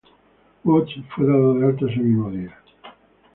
Woods fue dado de alta ese mismo día.